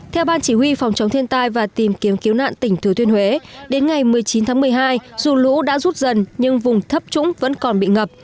theo ban chỉ huy phòng chống thiên tai và tìm kiếm cứu nạn tỉnh thừa thiên huế đến ngày một mươi chín tháng một mươi hai dù lũ đã rút dần nhưng vùng thấp trũng vẫn còn bị ngập